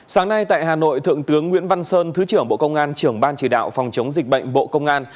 sáng nay tại hà nội thượng tướng nguyễn văn sơn thứ trưởng bộ công an trưởng ban chỉ đạo phòng chống dịch bệnh bộ công an